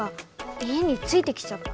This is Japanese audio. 家についてきちゃった。